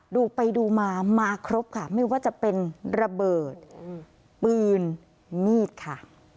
ดูไปดูมามาครบค่ะไม่ว่าจะเป็นระเบิดปืนมีดค่ะ